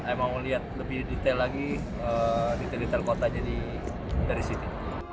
emang melihat lebih detail lagi detail detail kota jadi dari situ